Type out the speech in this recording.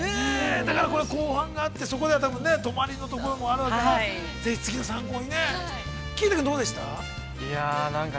◆だから、後半があって、そこでは多分、泊まりのところもあるわけで、ぜひ次の参考にね。葵汰君、どうでしたか。